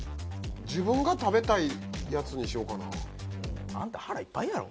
自分が食べたいやつにしようかな。